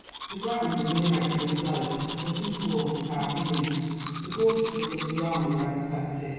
The ground was an irregular slope, looking toward the south and east the quarters from which the army were expected.